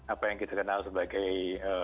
apa yang kita kenal sebagai